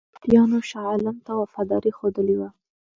مرهټیانو شاه عالم ته وفاداري ښودلې وه.